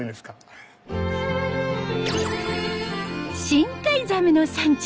深海ザメの産地